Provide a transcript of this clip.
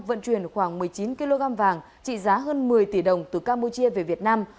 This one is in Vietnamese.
vận chuyển khoảng một mươi chín kg vàng trị giá hơn một mươi tỷ đồng từ campuchia về việt nam